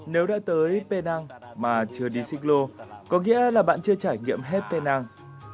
nếu đã tới penang mà chưa đi xích lô có nghĩa là bạn chưa trải nghiệm hết penang